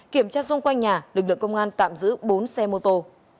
kiểm tra xung quanh nhà lực lượng công an tạm giữ bốn xe mô tô